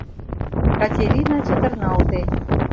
— Катерина чытырналте.